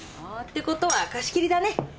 てことは貸し切りだね。